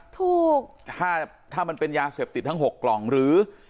ถูกถ้ามันเป็นยาเสพติดทั้ง๖กล่องหรือ